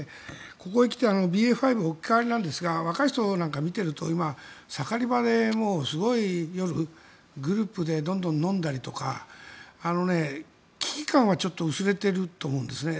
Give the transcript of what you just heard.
ここへ来てＢＡ．５に置き換わりなんですが若い人なんかを見ていると今、盛り場ですごい夜、グループでどんどん飲んだりとか危機感はちょっと薄れていると思うんですね。